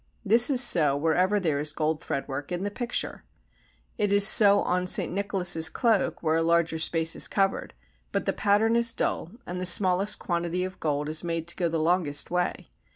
This is so wherever there is gold thread work in the picture. It is so on S. Nicholas's cloak where a larger space is covered, but the pattern is dull and the smallest quantity of gold is made to go the longest way.